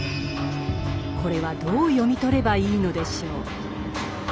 これはどう読み取ればいいのでしょう。